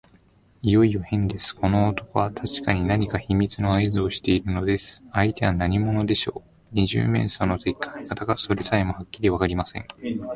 いよいよへんです。この男はたしかに何か秘密のあいずをしているのです。相手は何者でしょう。二十面相の敵か味方か、それさえもはっきりわかりません。